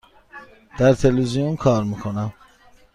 در تلویزیون کار می کنم.